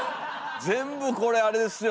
全部これあれですよ